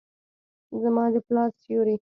زما د پلار سیوري ،